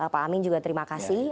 pak amin juga terima kasih